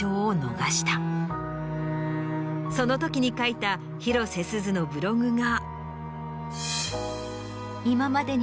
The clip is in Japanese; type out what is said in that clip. そのときに書いた広瀬すずのブログが。